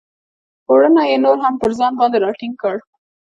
پوړنی یې نور هم پر ځان باندې را ټینګ کړ.